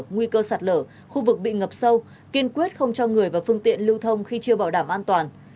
nguy cơ sạt lở khu vực bị ngập sâu kiên quyết không cho người và phương tiện lưu thông khi chưa bảo đảm an toàn